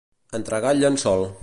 Entregar el llençol.